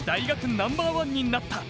ナンバーワンになった。